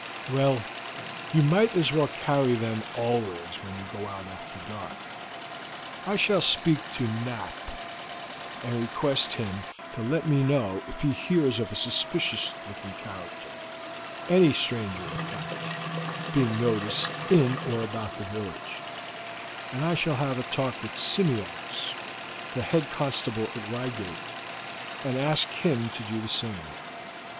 "Well, you might as well carry them always when you go out after dark. I shall speak to Knapp, and request him to let me know if he hears of a suspicious looking character any stranger, in fact being noticed in or about the village, and I shall have a talk with Simeox, the head constable at Reigate, and ask him to do the same.